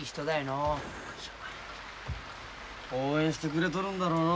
応援してくれとるんだろうのう